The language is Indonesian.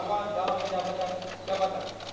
atau pekerjaan saya